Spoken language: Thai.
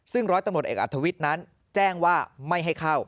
ซึ่งร้อยตำรวจเอกอัธวิทย์นั้นแจ้งว่าไม่ให้เข้า